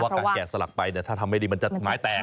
เพราะว่าการแกะสลักไปถ้าทำไม่ดีมันจะแตง